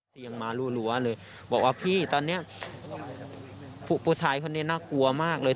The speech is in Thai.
เสียงมารั่วเลยบอกว่าพี่ตอนนี้ผู้ชายคนนี้น่ากลัวมากเลย